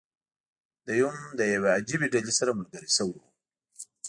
دی هم له یوې عجیبي ډلې سره ملګری شوی و.